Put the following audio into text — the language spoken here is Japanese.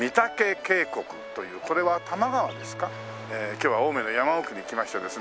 今日は青梅の山奥に来ましてですね